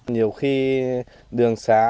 nhiều khi đường xá